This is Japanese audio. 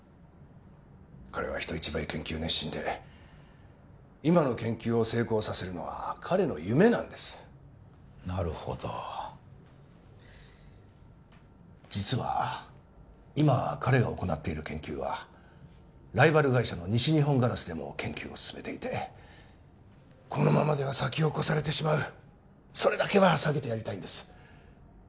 彼は人一倍研究熱心で今の研究を成功させるのは彼の夢なんですなるほど実は今彼が行っている研究はライバル会社の西日本ガラスでも研究を進めていてこのままでは先を越されてしまうそれだけは避けてやりたいんです